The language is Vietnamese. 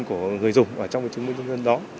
của người dùng ở trong cái chứng minh nhân dân đó